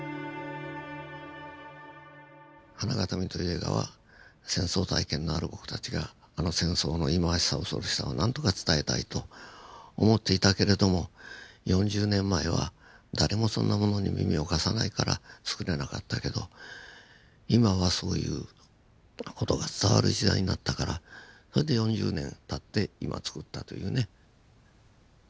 「花筐／ＨＡＮＡＧＡＴＡＭＩ」という映画は戦争体験のある僕たちがあの戦争の忌まわしさ恐ろしさを何とか伝えたいと思っていたけれども４０年前は誰もそんなものに耳を貸さないからつくれなかったけど今はそういう事が伝わる時代になったからそれで４０年たって今つくったというね。